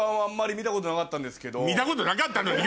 見たことなかったのに。